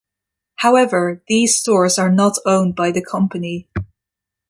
However, these stores are not owned by the company.